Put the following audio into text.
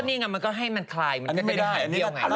ก็นี่ไงมันก็ให้มันคลายมันก็จะได้หายเบี้ยวไง